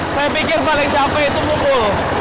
saya pikir paling capek itu ngumpul